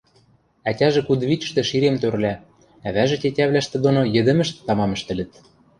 Ӓтяжӹ кудывичӹштӹ ширем тӧрлӓ, ӓвӓжӹ тетявлӓштӹ доно йӹдӹмӹштӹ тамам ӹштӹлӹт.